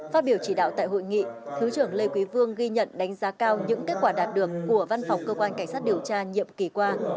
phát biểu chỉ đạo tại hội nghị thứ trưởng lê quý vương ghi nhận đánh giá cao những kết quả đạt được của văn phòng cơ quan cảnh sát điều tra nhiệm kỳ qua